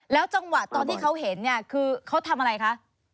จังหวะตอนที่เขาเห็นเนี่ยคือเขาทำอะไรคะ